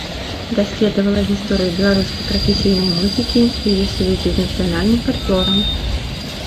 Даследавала гісторыю беларускай прафесійнай музыкі, яе сувязі з нацыянальным фальклорам.